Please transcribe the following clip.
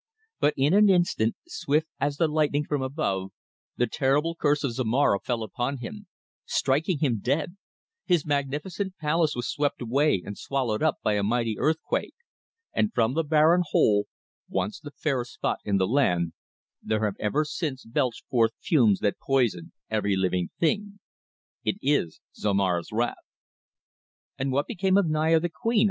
But in an instant, swift as the lightning from above, the terrible curse of Zomara fell upon him, striking him dead, his magnificent palace was swept away and swallowed up by a mighty earthquake, and from the barren hole, once the fairest spot in the land, there have ever since belched forth fumes that poison every living thing. It is Zomara's Wrath." "And what became of Naya, the queen?"